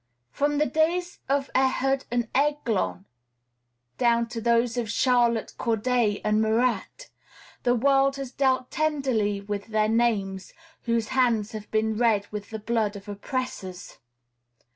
From the days of Ehud and Eglon down to those of Charlotte Corday and Marat, the world has dealt tenderly with their names whose hands have been red with the blood of oppressors.